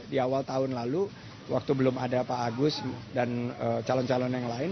di awal tahun lalu waktu belum ada pak agus dan calon calon yang lain